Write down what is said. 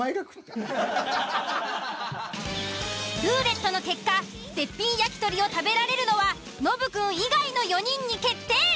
ルーレットの結果絶品焼き鳥を食べられるのはノブくん以外の４人に決定。